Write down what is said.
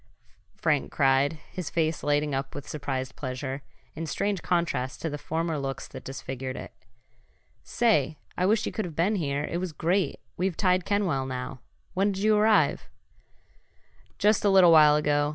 Frank cried, his face lighting up with surprised pleasure, in strange contrast to the former looks that disfigured it. "Say, I wish you could have been here. It was great! We've tied Kenwell now. When'd you arrive?" "Just a little while ago.